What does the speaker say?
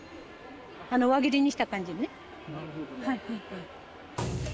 あの輪切りにした感じね。